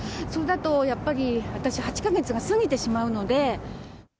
それだとやっぱり、私、８か月が過ぎてしまうので。